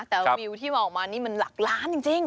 แต่วิวที่มาออกมานี่มันหลักล้านจริง